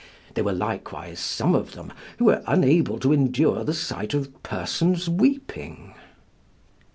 There were likewise some of them who were unable to endure the sight of persons weeping.